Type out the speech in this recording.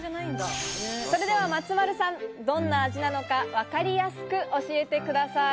それでは松丸さん、どんな味なのかわかりやすく教えてください。